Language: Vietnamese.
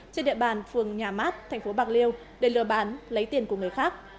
trên địa bàn phường nhà mát thành phố bạc liêu để lừa bán lấy tiền của người khác